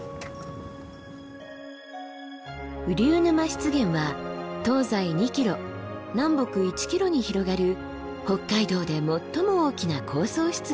雨竜沼湿原は東西２ｋｍ南北１ｋｍに広がる北海道で最も大きな高層湿原。